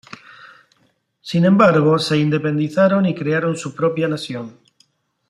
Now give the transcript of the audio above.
Sin embargo se independizaron y crearon su propia nación.